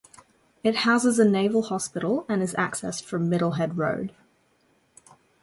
It houses a naval hospital and is accessed from Middle Head Road.